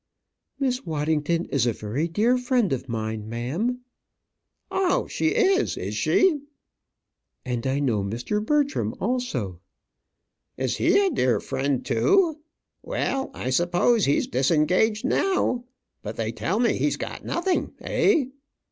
"Miss Waddington is a very dear friend of mine, ma'am." "Oh; she is, is she?" "And I know Mr. Bertram also." "Is he a dear friend too? Well, I suppose he's disengaged now. But they tell me he's got nothing, eh?"